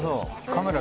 カメラ